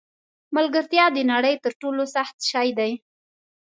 ملګرتیا د نړۍ تر ټولو سخت شی دی.